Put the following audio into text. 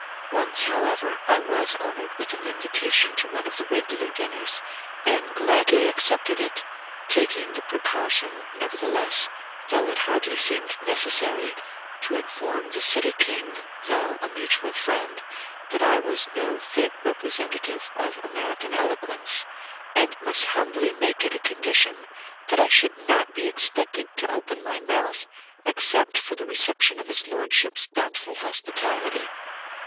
Once, however, I was honored with an invitation to one of the regular dinners, and gladly accepted it, taking the precaution, nevertheless, though it hardly seemed necessary, to inform the City King, through a mutual friend, that I was no fit representative of American eloquence, and must humbly make it a condition that I should not be expected to open my mouth, except for the reception of his Lordship's bountiful hospitality.